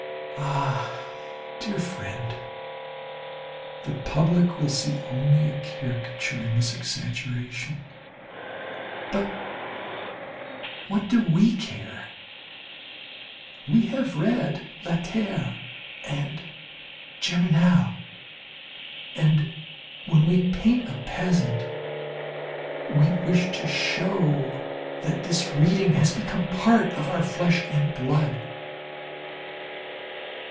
Ah, dear friend, the public will see only a caricature in this exaggeration. But what do we care? We have read "La Terre" and "Germinal," and when we paint a peasant, we wish to show that this reading has become part of our flesh and blood.